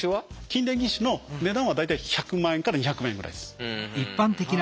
筋電義手の値段は大体１００万円から２００万円ぐらいです。